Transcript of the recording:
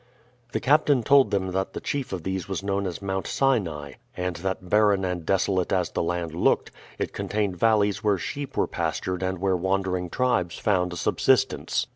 The captain told them that the chief of these was known as Mount Sinai, and that barren and desolate as the land looked, it contained valleys where sheep were pastured and where wandering tribes found a subsistence.